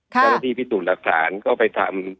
เท่าที่พิจุดหลักฐานก็ไปทำ